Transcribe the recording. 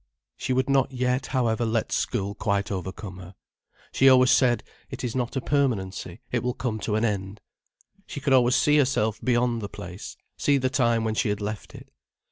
She would not yet, however, let school quite overcome her. She always said. "It is not a permanency, it will come to an end." She could always see herself beyond the place, see the time when she had left it.